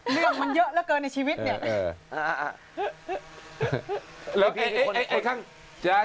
เรื่องมันเยอะเหลือเกินในชีวิตเนี่ย